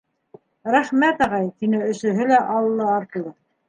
- Рәхмәт, ағай! - тине өсөһө лә аллы-артлы.